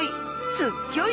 すっギョい